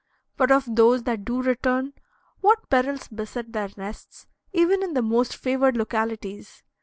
But of those that do return, what perils beset their nests, even in the most favored localities!